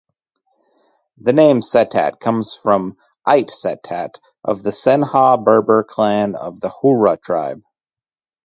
The name Settat comes from "Ait Settat" a Senhaja-Berber clan of the Houara tribe.